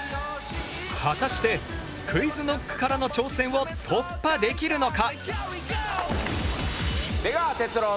果たしてＱｕｉｚＫｎｏｃｋからの挑戦を突破できるのか！？